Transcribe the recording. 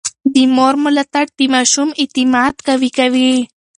د مور ملاتړ د ماشوم اعتماد قوي کوي.